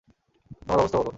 তোমাদের অবস্থা বলো?